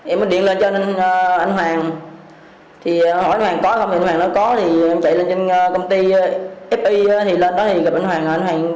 em điện lên cho anh hoàng hỏi anh hoàng có không anh hoàng nói có em chạy lên công ty f i lên đó gặp anh hoàng